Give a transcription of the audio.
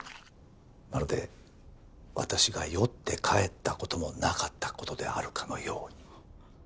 まるで私が酔って帰ったこともなかったことであるかのように。